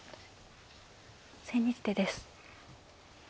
千日手です。